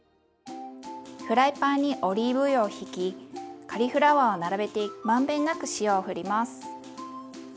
フライパンにオリーブ油をひきカリフラワーを並べて満遍なく塩をふります。